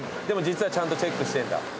でも実はちゃんとチェックしてんだ。